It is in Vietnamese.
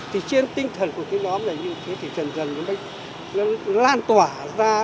thì trên tinh thần của cái nhóm này như thế thì dần dần nó lan tỏa ra